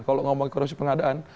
kalau ngomongin korupsi pengadaan